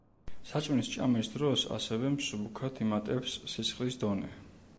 საჭმლის ჭამის დროს ასევე მსუბუქად იმატებს სისხლის დონე.